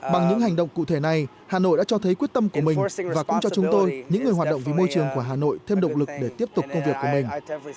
bằng những hành động cụ thể này hà nội đã cho thấy quyết tâm của mình và cũng cho chúng tôi những người hoạt động vì môi trường của hà nội thêm động lực để tiếp tục công việc của mình